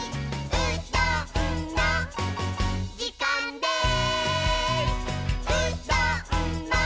「うどんのじかんです！」